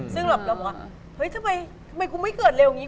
ซึ่งเราบอกว่าเฮ้ยทำไมกูไม่เกิดเร็วอย่างนี้